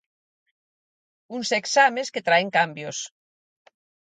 Uns exames que traen cambios.